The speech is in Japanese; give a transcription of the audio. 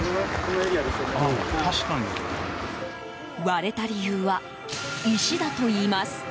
割れた理由は石だといいます。